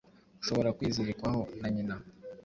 Ushobora kwizirikwaho na nyina